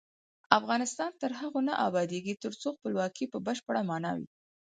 افغانستان تر هغو نه ابادیږي، ترڅو خپلواکي په بشپړه مانا وي.